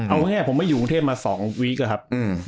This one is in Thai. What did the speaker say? เอาง่ายผมไม่อยู่กรุงเทพมา๒วีคอะครับ